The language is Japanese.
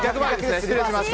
失礼しました。